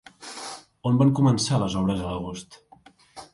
On van començar les obres a l'agost?